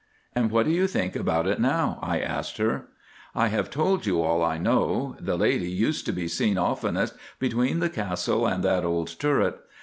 "And what do you think about it now?" I asked her. "I have told you all I know. The Lady used to be seen oftenest between the Castle and that old turret.